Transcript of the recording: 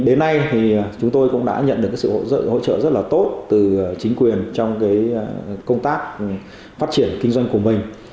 đến nay thì chúng tôi cũng đã nhận được sự hỗ trợ hỗ trợ rất là tốt từ chính quyền trong công tác phát triển kinh doanh của mình